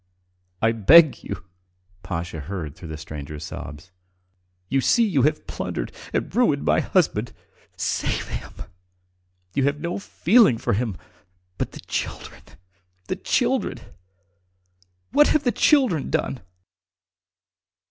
"I beg you!" Pasha heard through the stranger's sobs. "You see you have plundered and ruined my husband. Save him. ... You have no feeling for him, but the children ... the children ... What have the children done?"